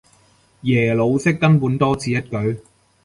耶魯式根本多此一舉